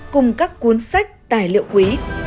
cùng các cuốn sách tài liệu quý